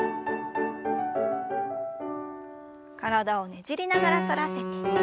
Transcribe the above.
体をねじりながら反らせて。